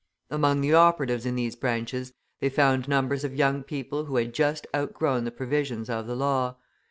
Among the operatives in these branches they found numbers of young people who had just outgrown the provisions of the law.